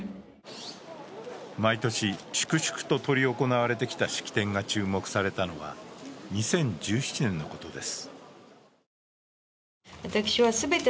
毎年、粛々と執り行われてきた式典が注目されたのは２０１７年のことです。